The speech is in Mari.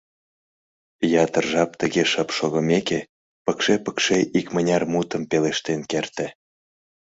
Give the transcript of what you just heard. Ятыр жап тыге шып шогымеке, пыкше-пыкше икмыняр мутым пелештен керте.